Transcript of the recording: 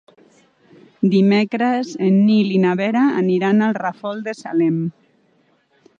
Dimecres en Nil i na Vera aniran al Ràfol de Salem.